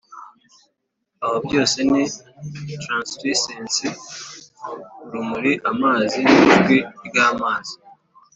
aho byose ni translucence (urumuri! amazi, nijwi ryamazi.